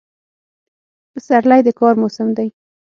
پسرلی د کار موسم دی.